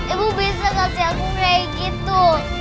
ibu bisa kasih aku kayak gitu